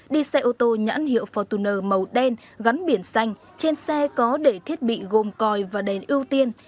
đi xe ô tô nhãn hiệu fortuner màu đen gắn biển xanh trên xe có đẩy thiết bị gồm còi và đèn ưu tiên